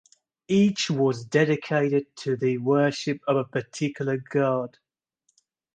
Each was dedicated to the worship of a particular god.